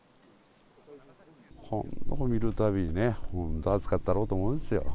本当に見るたびね、本当、熱かっただろうと思うんですよ。